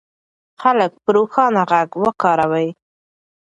خلک به روښانه غږ کاروي.